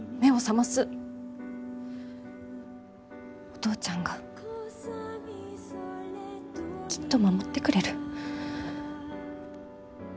お父ちゃんがきっと守ってくれる。